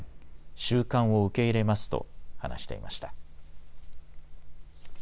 収監を受け入れますと話していました。